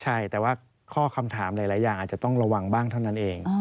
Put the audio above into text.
ใช่แต่ว่าข้อคำถามหลายอย่างอาจจะต้องระวังบ้างเท่านั้นเอง